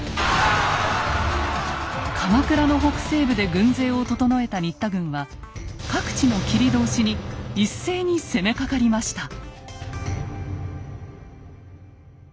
鎌倉の北西部で軍勢を整えた新田軍は各地の切通に一斉に攻めかかりました。